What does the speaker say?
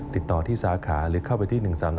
ติดต่อที่สาขาหรือเข้าไปที่๑๓๓